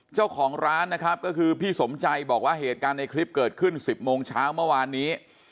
เจ้าของร้านนะครับก็คือพี่สมใจบอกว่าเหตุการณ์ในคลิปเกิดขึ้น๑๐โมงเช้าเมื่อวานนี้